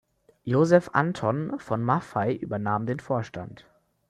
Joseph Anton von Maffei übernahm den Vorstand.